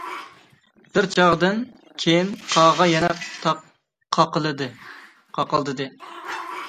بىر چاغدىن كىيىن قاغا يەنە قاقىلدىدى.